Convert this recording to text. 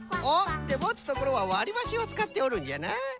おっもつところはわりばしをつかっておるんじゃな。